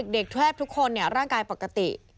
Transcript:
เด็กแทบทุกคนร่างกายปกติ